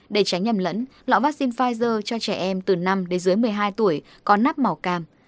để tránh nhầm lẫn loại vaccine pfizer cho trẻ em từ năm một mươi hai tuổi có nắp màu cam